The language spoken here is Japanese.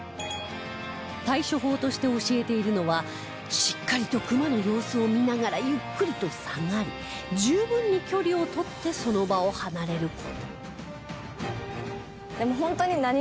対処法として教えているのはしっかりとクマの様子を見ながらゆっくりと下がり十分に距離を取ってその場を離れる事